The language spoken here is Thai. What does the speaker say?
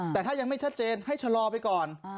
แต่ถ้ายังไม่ชัดเจนให้ชะลอไปก่อน